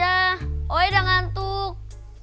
oh udah ngantuk